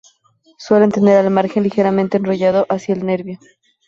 Suelen tener el margen ligeramente enrollado hacia el nervio.